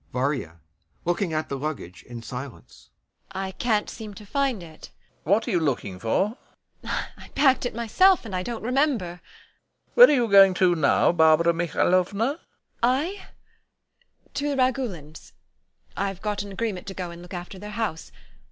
] VARYA. [Looking at the luggage in silence] I can't seem to find it.... LOPAKHIN. What are you looking for? VARYA. I packed it myself and I don't remember. LOPAKHIN. Where are you going to now, Barbara Mihailovna? VARYA. I? To the Ragulins.... I've got an agreement to go and look after their house...